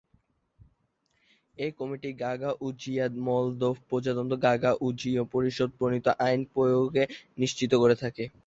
এই কমিটি গাগাউজিয়ায় মলদোভা প্রজাতন্ত্র এবং গাগাউজীয় গণপরিষদ প্রণীত আইনের প্রয়োগ নিশ্চিত করে থাকে।